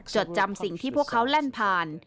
จดจำสิ่งที่พวกเขาแล่นผ่าน